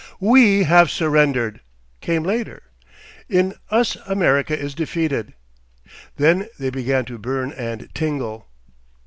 "WE have surrendered!" came later; "in us America is defeated." Then they began to burn and tingle.